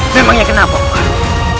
memangnya kenapa pak